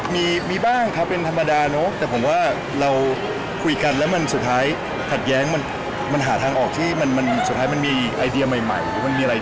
มีนอนวิทยาลองกับมันขัดแย้งกันเวลาแบบทำชีวิตด้วยกันมันเป็นบ้างไหม